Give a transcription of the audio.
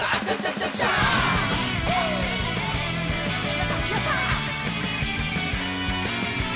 やった、やった！